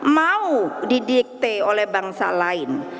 mau didikte oleh bangsa lain